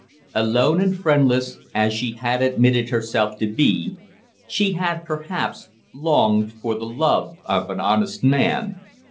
Alone and friendless, as she had admitted herself to be, she had, perhaps, longed for the love of an honest man.